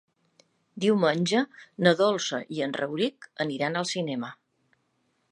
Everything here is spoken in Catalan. Diumenge na Dolça i en Rauric aniran al cinema.